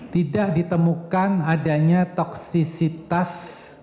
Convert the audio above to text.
tidak ditemukan adanya toksisitas